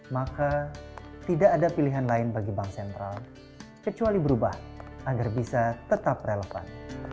maka tidak ada pilihan lain bagi bank sentral kecuali berubah agar bisa tetap relevan